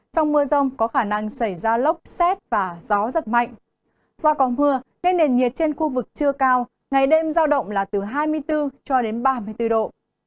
trong mưa rông nền nhiệt trên khu vực chưa cao ngày đêm giao động là từ hai mươi bốn ba mươi bốn độ